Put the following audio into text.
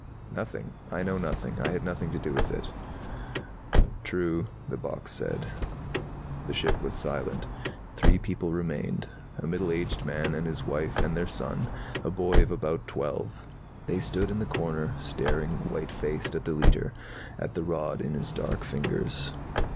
"Nothing I know nothing. I had nothing to do with it." "True," the box said. The ship was silent. Three people remained, a middle aged man and his wife and their son, a boy of about twelve. They stood in the corner, staring white faced at the Leiter, at the rod in his dark fingers.